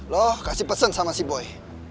lo kasih pesan sama si boy